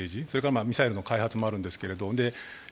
それからミサイルの開発もあるんですけど。